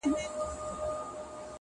د زړه بوټى مي دی شناخته د قبرونو.